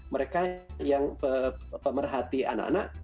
mereka yang pemerhati anak anak